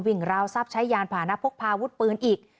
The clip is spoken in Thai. วิ่งราวทรัพย์ใช้ยานผ่านพกพาวุดปืนอีก